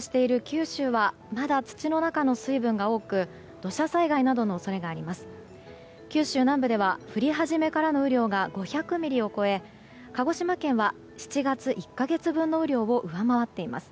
九州南部では降り始めからの雨量が５００ミリを超え鹿児島県は７月１か月分の雨量を上回っています。